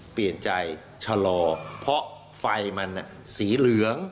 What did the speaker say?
เปลี่ยนใจชะลอเพราะไฟมันสีเหลือง